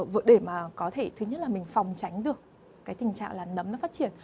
vậy để mà có thể thứ nhất là mình phòng tránh được cái tình trạng là nấm nó phát triển